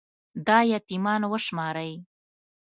دا يـتـيـمـان وشمارئ